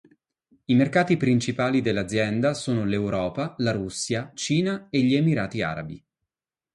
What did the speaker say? I mercati principali dell'azienda sono l'Europa, la Russia, Cina e gli Emirati Arabi.